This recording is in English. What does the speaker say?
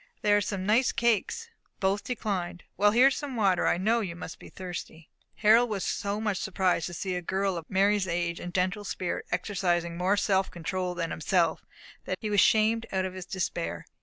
There are some nice cakes." Both declined. "Well, here is some water. I know you must be thirsty." Harold was so much surprised to see a girl of Mary's age and gentle spirit exercising more self control than himself, that he was shamed out of his despair.